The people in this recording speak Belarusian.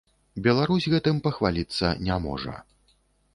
Беларусь гэтым пахваліцца не можа.